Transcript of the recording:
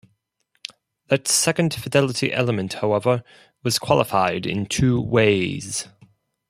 That second fidelity element, however, was qualified in two ways.